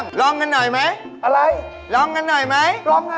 ไม่ใช่